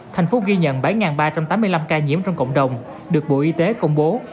thành phố ghi nhận bảy ba trăm tám mươi năm ca nhiễm trong cộng đồng được bộ y tế công bố